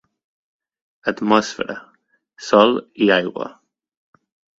Atmosfera, sòl i aigua.